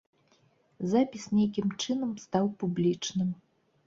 Запіс нейкім чынам стаў публічным.